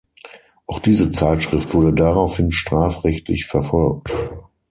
Auch diese Zeitschrift wurde daraufhin strafrechtlich verfolgt.